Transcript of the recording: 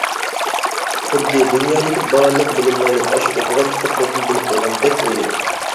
خۇددى دۇنيادىكى بارلىق بىلىملەرنى ئاشۇ ئوقۇغان كىتابلىرىدىن بىلىپ بولغاندەك ئويلايدۇ.